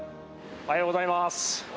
おはようございます！